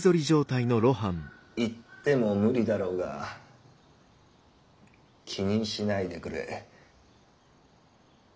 言っても無理だろうが気にしないでくれ。